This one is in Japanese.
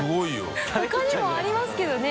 神田）ほかにもありますけどね。